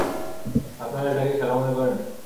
আপনারা এটাকে খেলা মনে করেন?